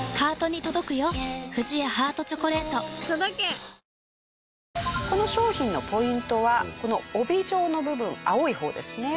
自分らしく秋を楽しもうこの商品のポイントはこの帯状の部分青い方ですね。